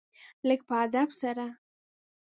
لږ په ادب سره .